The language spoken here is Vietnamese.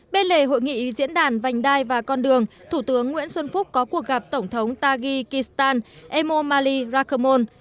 bên lề hội nghị diễn đàn vành đai và con đường thủ tướng nguyễn xuân phúc có cuộc gặp tổng thống taghi kistan emomali rakhmon